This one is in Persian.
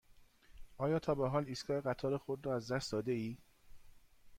آیا تا به حال ایستگاه قطار خود را از دست داده ای؟